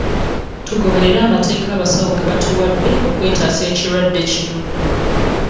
Tugoberere amateeka abasawo ge batuwadde okwetaasa ekirwadde kino.